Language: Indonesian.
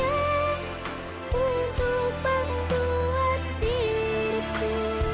untuk membuat diriku